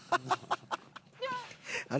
あれ？